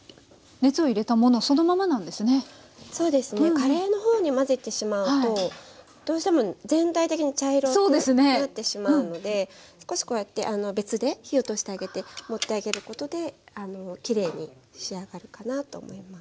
カレーのほうに混ぜてしまうとどうしても全体的に茶色くなってしまうので少しこうやって別で火を通してあげて盛ってあげることできれいに仕上がるかなと思います。